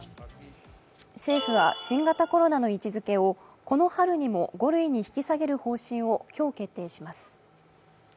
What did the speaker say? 政府は新型コロナの位置づけを５類に引き下げる方針を今日決定します。